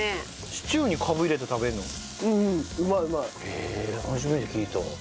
へえ初めて聞いた。